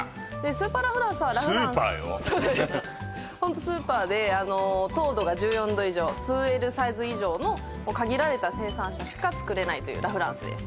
ホントスーパーで糖度が１４度以上２Ｌサイズ以上の限られた生産者しか作れないというラ・フランスです